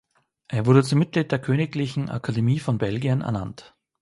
Er wurde zum Mitglied der Königlichen Akademie von Belgien ernannt.